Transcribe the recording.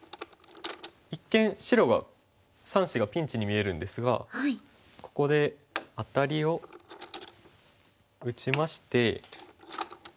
一見白が３子がピンチに見えるんですがここでアタリを打ちまして。